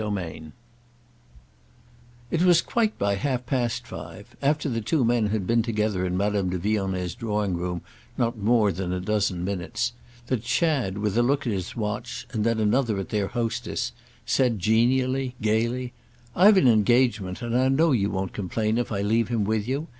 Book Sixth I It was quite by half past five—after the two men had been together in Madame de Vionnet's drawing room not more than a dozen minutes—that Chad, with a look at his watch and then another at their hostess, said genially, gaily: "I've an engagement, and I know you won't complain if I leave him with you.